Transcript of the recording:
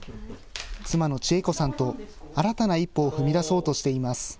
妻の千枝子さんと新たな一歩を踏み出そうとしています。